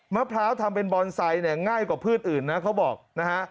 มะพร้าวทำเป็นบอนไซค์เนี่ยง่ายกว่าพืชอื่นนะเขาบอกนะฮะ